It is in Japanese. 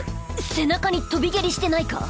背中にとび蹴りしてないか？